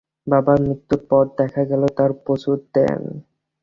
বাবার মৃত্যুর পর দেখা গেল, তাঁর প্রচুর দেন।